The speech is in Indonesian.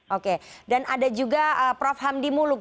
oke dan ada juga prof hamdi muluk